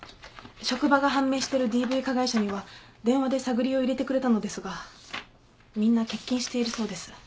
職場が判明してるＤＶ加害者には電話で探りを入れてくれたのですがみんな欠勤しているそうです。